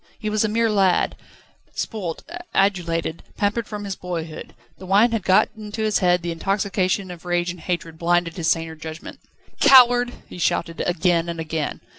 He was a mere lad, spoilt, adulated, pampered from his boyhood: the wine had got into his head, the intoxication of rage and hatred blinded his saner judgment. "Coward!" he shouted again and again.